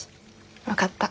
分かった。